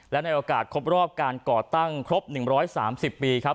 และในโอกาสครบรอบการก่อตั้งครบ๑๓๐ปีครับ